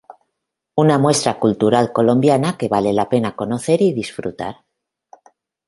Una muestra cultural colombiana que vale la pena conocer y disfrutar.